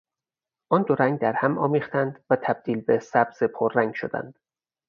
آن دو رنگ درهم آمیختند و تبدیل به سبز پررنگ شدند.